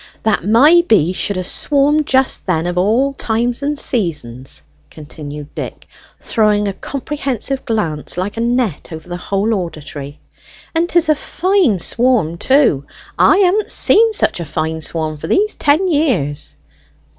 "That my bees should ha' swarmed just then, of all times and seasons!" continued Dick, throwing a comprehensive glance like a net over the whole auditory. "And 'tis a fine swarm, too: I haven't seen such a fine swarm for these ten years."